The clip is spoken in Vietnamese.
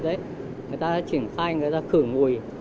người ta đã triển khai người ta khử mùi